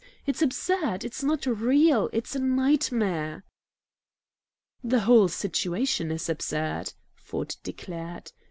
It's absurd! It's not real! It's a nightmare!" "The whole situation is absurd!" Ford declared.